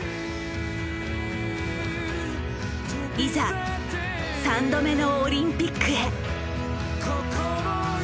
いざ３度目のオリンピックへ。